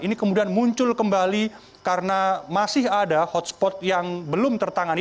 ini kemudian muncul kembali karena masih ada hotspot yang belum tertangani